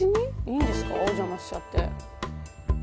いいんですかお邪魔しちゃって。